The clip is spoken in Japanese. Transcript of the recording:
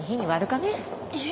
いえ。